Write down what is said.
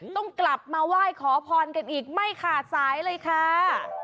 ต้องกลับมาไหว้ขอพรกันอีกไม่ขาดสายเลยค่ะ